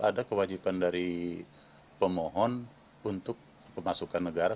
ada kewajiban dari pemohon untuk pemasukan negara